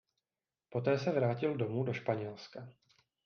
Poté se vrátil domů do Španělska.